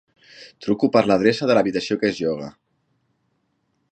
Truco per l'adreça de l'habitació que es lloga.